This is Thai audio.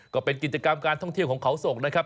ก็เป็นกิจกรรมการท่องเที่ยวของเขาศกนะครับ